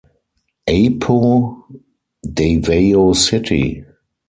Apo, Davao City.